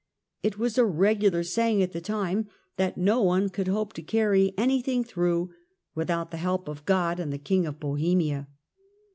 It was a regular saying at the time, that no one could hope to carry anything through, " without the help of God and the King of Bohemia".